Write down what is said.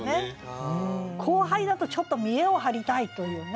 後輩だとちょっと見えを張りたいというね